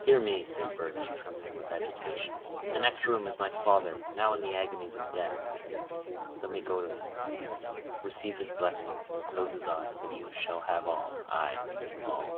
"Hear me," said Birch, trembling with agitation; "in the next room is my father, now in the agonies of death. Let me go to him, receive his blessing, and close his eyes, and you shall have all—aye, all."